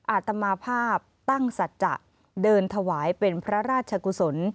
อาตมาภาพตั้งสัจจะเดินถวายเป็นพระราชกุศล